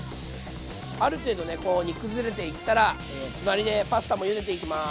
ある程度ねこう煮崩れていったら隣でパスタもゆでていきます。